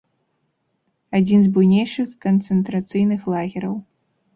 Адзін з буйнейшых канцэнтрацыйных лагераў.